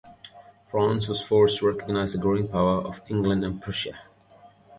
France was forced to recognize the growing power of England and Prussia.